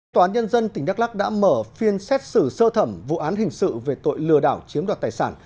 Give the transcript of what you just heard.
tòa án nhân dân tỉnh đắk lắc đã mở phiên xét xử sơ thẩm vụ án hình sự về tội lừa đảo chiếm đoạt tài sản